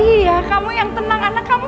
iya kamu yang tenang anak kamu